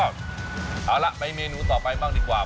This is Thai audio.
เอาละไปเมนูต่อไปบ้างดีกว่า